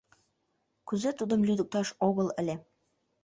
Кузе тудым лӱдыкташ огыл ыле?..